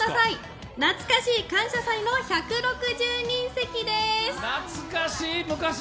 懐かしい「感謝祭」の１６０人席です。